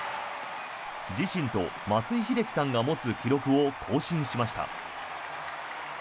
自身と松井秀喜さんが持つ記録を更新しました。